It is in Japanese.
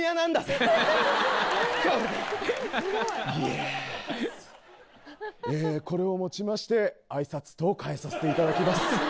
ええこれをもちまして挨拶と代えさせていただきます。